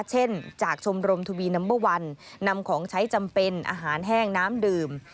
เช่นจากชมรมทวีนัมเบอร์วันนำของใช้จำเป็นอาหารแห้งน้ำดื่ม